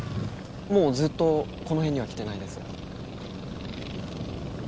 もうずっとこの辺には来てないです。